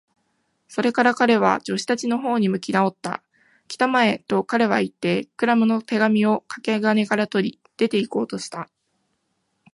それから彼は、助手たちのほうに向きなおった。「きたまえ！」と、彼はいって、クラムの手紙をかけ金から取り、出ていこうとした。